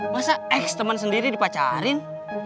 masa ex teman sendiri dipacarin